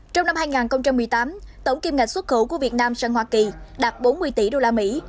trong năm hai nghìn một mươi tám tổng kim ngạch xuất khẩu của việt nam sang hoa kỳ đạt bốn mươi tỷ đô la mỹ